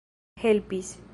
helpis